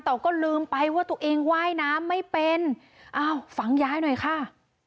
แต่ก็ลืมไปว่าตัวเองว่ายน้ำไม่เป็นอ้าวฟังยายหน่อยค่ะ